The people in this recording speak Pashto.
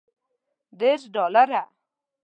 دېرش ډالره.